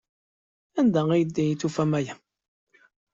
Anda ay d-tufam aya?